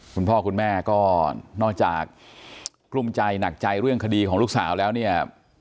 คุณพ่อคุณแม่ก็นอกจากกลุ้มใจหนักใจเรื่องคดีของลูกสาวแล้วเนี่ย